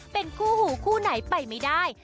เป็นคู่หูคู่ไหนไปไม่ได้